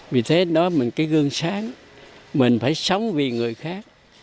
vì thế đó là một cái gương sáng mình phải sống vì người khác